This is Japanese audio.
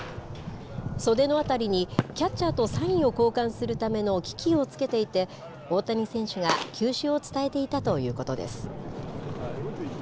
袖のあたりにキャッチャーとサインを交換するための機器を付けていて、大谷選手が球種を伝えていたということです。